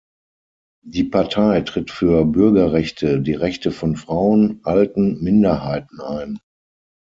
Die Partei tritt für Bürgerrechte, die Rechte von Frauen, Alten, Minderheiten ein.